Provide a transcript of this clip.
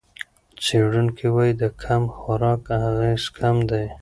څېړونکي وايي د کم خوراک اغېز کم دی.